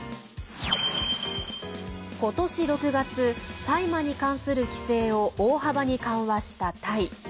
今年６月、大麻に関する規制を大幅に緩和したタイ。